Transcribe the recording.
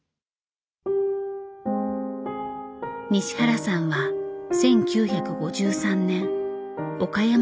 西原さんは１９５３年岡山県の生まれ。